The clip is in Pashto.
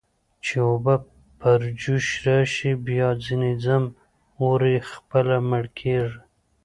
چې اوبه پر جوش راشي، بیا ځنې ځم، اور یې خپله مړ کېږي.